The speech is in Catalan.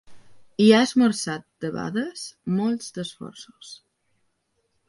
Hi ha esmerçat debades molts d'esforços.